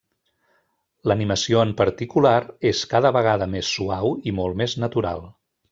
L'animació en particular, és cada vegada més suau i molt més natural.